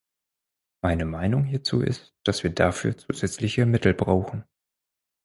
Meine Meinung hierzu ist, dass wir dafür zusätzliche Mittel brauchen.